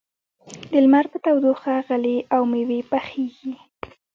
د لمر په تودوخه غلې او مېوې پخېږي.